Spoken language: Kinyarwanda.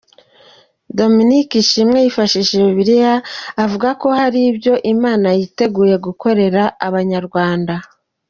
Dominic Ashimwe yifashishije Bibiliya avuga ko hari ibyo Imana yiteguye gukorera Abanyarwanda.